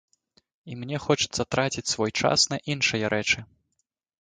І мне хочацца траціць свой час на іншыя рэчы.